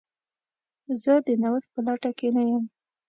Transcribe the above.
زه د نوښت په لټه کې نه یم.